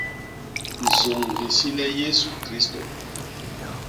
Nsôñ hisi le Yésu Kristô.